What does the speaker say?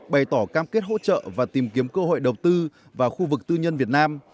bày tỏ cam kết hỗ trợ và tìm kiếm cơ hội đầu tư vào khu vực tư nhân việt nam